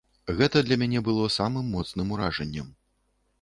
Гэта для мяне было самым моцным уражаннем.